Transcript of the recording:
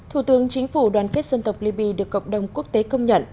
thủ tướng chính phủ đoàn kết dân tộc liby được cộng đồng quốc tế công nhận